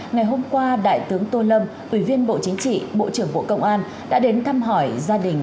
ngày hôm qua đại tướng tô lâm ủy viên bộ chính trị bộ trưởng bộ công an đã đến thăm hỏi gia đình